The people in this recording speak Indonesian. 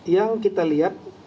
yang kita lihat